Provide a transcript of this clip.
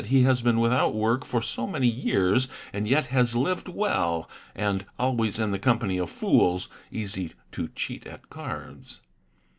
he has been without work for so many years and yet has lived well, and always in the company of fools easy to cheat at cards.